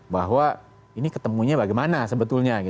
bahwa ini ketemunya bagaimana sebetulnya